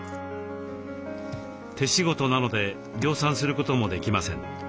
手仕事なので量産することもできません。